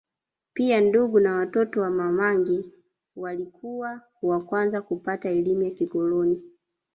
Pia ndugu na watoto wa Mamangi walikuwa wa kwanza kupata elimu ya kikoloni